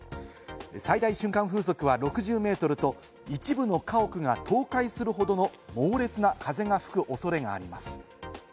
最大瞬間風速は６０メートルと一部の家屋が倒壊するほどの猛烈な風が吹く恐れがあります。